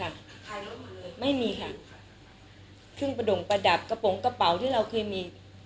ขายรถมือเลยไม่มีค่ะเครื่องประดงประดับกระโปรงกระเป๋าที่เราเคยมี